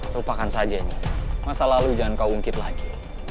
lupakan saja ini masa lalu jangan kau ungkit lagi